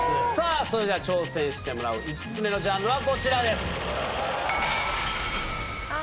それでは挑戦してもらう５つ目のジャンルはこちらです。